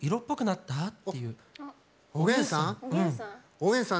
おげんさん？